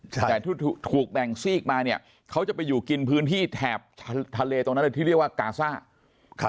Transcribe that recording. แต่ที่ถูกแบ่งซีกมาเนี่ยเขาจะไปอยู่กินพื้นที่แถบทะเลตรงนั้นเลยที่เรียกว่ากาซ่า